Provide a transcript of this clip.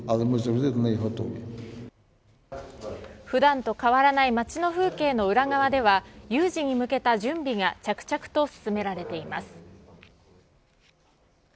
普段と変わらない街の風景の裏側では有事に向けた準備が着々と進められています。